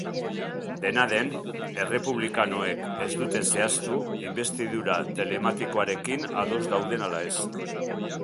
Dena den, errepublikanoek ez dute zehaztu inbestidura telematikoarekin ados dauden ala ez.